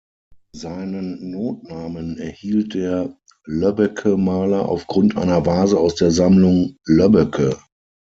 Seinen Notnamen erhielt der Loebbecke-Maler aufgrund einer Vase aus der Sammlung Löbbecke.